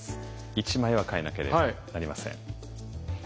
１枚は換えなければなりません。